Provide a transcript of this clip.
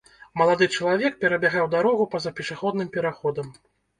Малады чалавек перабягаў дарогу па-за пешаходным пераходам.